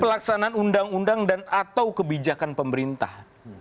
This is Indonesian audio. pelaksanaan undang undang dan atau kebijakan pemerintah